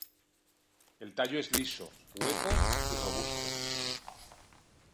El tallo es liso, hueco y robusto.